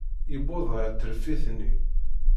Yewweḍ ɣer tṛeffit-nni.